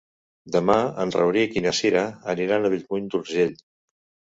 Demà en Rauric i na Cira aniran a Bellmunt d'Urgell.